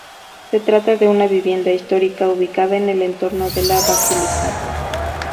Se trata de una vivienda histórica ubicada en el entorno de la basílica.